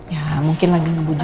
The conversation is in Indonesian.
ya mungkin lagi ngebujukin